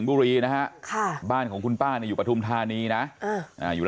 ไปวัดไปทำอะไรมาไม่รู้